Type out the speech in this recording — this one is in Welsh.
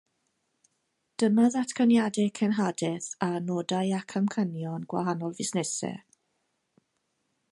Dyma ddatganiadau cenhadaeth a nodau ac amcanion gwahanol fusnesau